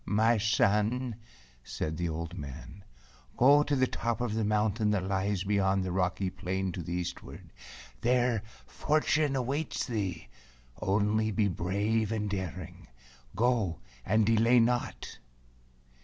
"My son," said the old man, "go to the top of the mountain that lies beyond the rocky plain to the eastward. There fortune awaits thee ; only be brave and daring. Go, and delay not."